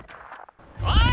「おい！